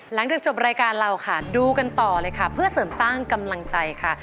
หลังจากจบรายการเราค่ะดูกันต่อเลยค่ะเพื่อเสริมสร้างกำลังใจค่ะ